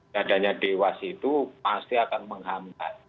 keadaannya dewas itu pasti akan menghambat